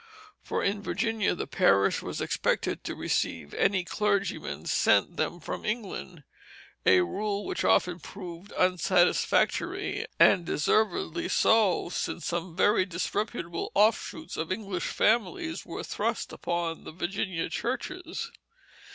For in Virginia the parish was expected to receive any clergyman sent them from England, a rule which often proved unsatisfactory; and deservedly so, since some very disreputable offshoots of English families were thrust upon the Virginia churches.